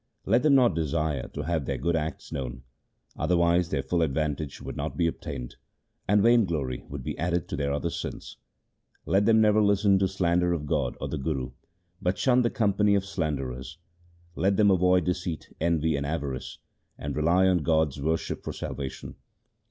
Let them not desire to have their good acts known, otherwise their full advantage would not be obtained, and vainglory would be added to their other sins. Let them never listen to slander of God or the Guru, but shun the company of slanderers. Let them avoid deceit, envy, and avarice, and rely on God's worship for salvation.